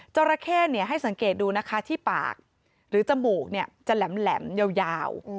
จราเข้ให้สังเกตดูนะคะที่ปากหรือจมูกจะแหลมยาว